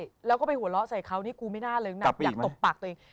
ใช่แล้วก็ไปหัวเราะใส่เขานี่กูไม่น่าเริงนับอยากตบปากตัวเอง